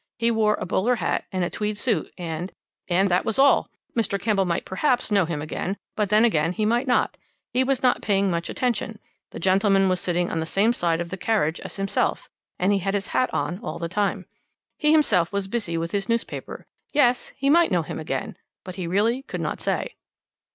He wore a bowler hat, and a tweed suit and and that was all Mr. Campbell might perhaps know him again, but then again, he might not he was not paying much attention the gentleman was sitting on the same side of the carriage as himself and he had his hat on all the time. He himself was busy with his newspaper yes he might know him again but he really could not say.